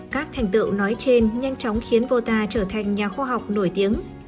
các thành tựu nói trên nhanh chóng khiến vota trở thành nhà khoa học nổi tiếng